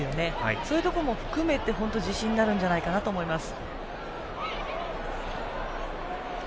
そういうところも含めて自信になるんじゃないかと思います。